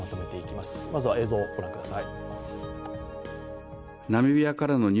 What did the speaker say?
まずは映像を御覧ください。